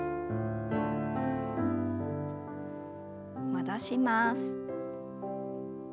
戻します。